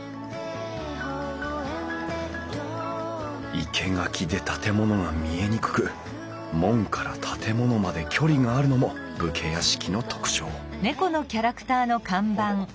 生け垣で建物が見えにくく門から建物まで距離があるのも武家屋敷の特徴おっ！